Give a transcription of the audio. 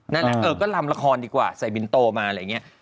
นั่นเออก็ลำละครดีกว่าใส่บินโตมาอะไรอย่างนี้